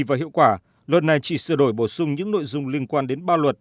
và hiệu quả luật này chỉ sửa đổi bổ sung những nội dung liên quan đến ba luật